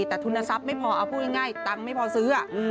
แต่ทุนทรัพย์ไม่พอเอาพูดง่ายตังค์ไม่พอซื้อ